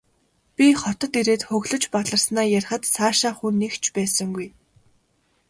Би хотод ирээд хөглөж баларснаа ярихад сайшаах хүн нэг ч байсангүй.